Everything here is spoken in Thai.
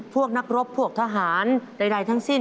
พวกนักรบพวกทหารใดทั้งสิ้น